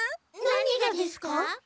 何がですか？